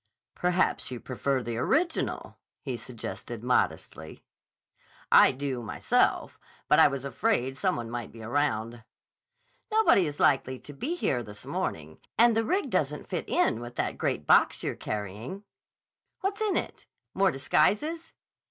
"Perhaps you prefer the original," he suggested modestly. "I do, myself. But I was afraid some one might be around." "Nobody is likely to be here this morning. And the rig doesn't fit in with that great box you're carrying. What's in it? More disguises?"